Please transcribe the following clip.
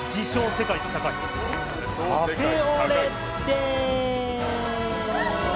世界一高いカフェオレです。